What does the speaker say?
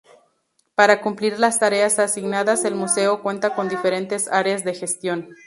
Para cumplir las tareas asignadas el Museo cuenta con diferentes Áreas de Gestión.